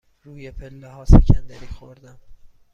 روی پله ها سکندری خوردم.